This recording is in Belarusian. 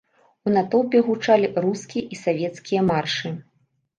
У натоўпе гучалі рускія і савецкія маршы.